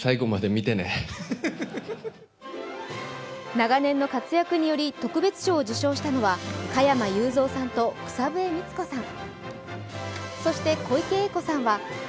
長年の活躍により特別賞を受賞したのは加山雄三さんと草笛光子さん。